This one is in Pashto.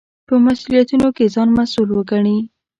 په مسوولیتونو کې ځان مسوول وګڼئ.